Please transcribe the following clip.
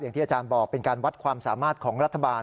อย่างที่อาจารย์บอกเป็นการวัดความสามารถของรัฐบาล